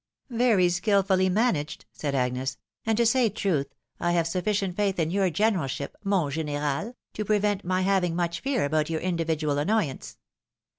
" Very skilfully managed," said Agnes ;" and to say truth, I have sufficient faith in your generalship, mon general, to pre vent my having much fear about your individual annoyance.